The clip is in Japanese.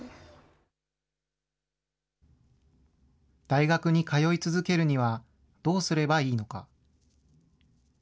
大学に通い続けるには、どうすればいいのか。